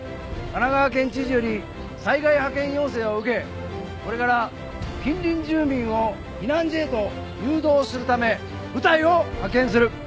神奈川県知事より災害派遣要請を受けこれから近隣住民を避難所へと誘導するため部隊を派遣する。